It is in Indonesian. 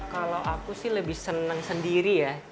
kalau aku sih lebih senang sendiri ya